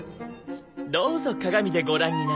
どうぞ鏡でご覧になって。